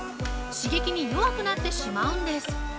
刺激に弱くなってしまうんです。